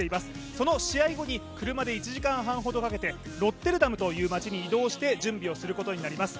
その試合後に車で１時間半ほどかけてロッテルダムという街に移動して準備をすることになります。